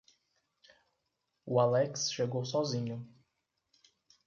O Alex chegou sozinho.